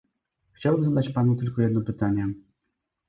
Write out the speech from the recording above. Chciałbym zadać Panu tylko jedno pytanie